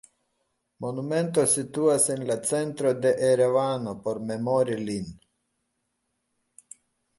Monumento situas en la centro de Erevano por memori lin.